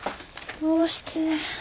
どうして。